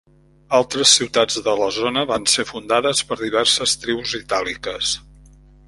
Altres ciutats de la zona van ser fundades per diverses tribus itàliques.